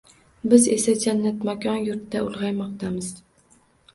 Biz esa jannatmakon yurtda ulg‘aymoqdamiz